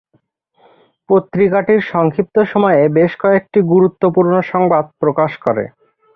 পত্রিকাটির সংক্ষিপ্ত সময়ে বেশ কয়েকটি গুরুত্বপূর্ণ সংবাদ প্রকাশ করে।